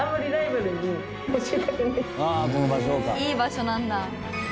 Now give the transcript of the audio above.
いい場所なんだ。